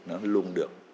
nó luôn được